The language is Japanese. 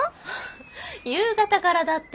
夕方からだって。